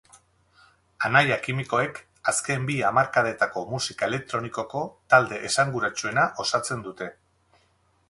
Anaia kimikoek azken bi hamarkadetako musika elektronikoko talde esanguratsuena osatzen dute.